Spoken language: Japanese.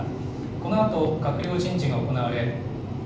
このあと、閣僚人事が行われ。